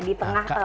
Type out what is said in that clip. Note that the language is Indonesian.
di tengah perpotaan